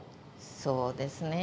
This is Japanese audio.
そうですね。